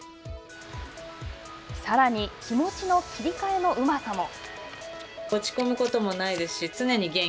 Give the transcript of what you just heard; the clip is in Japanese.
さらに気持ちの切り替えのうまさも。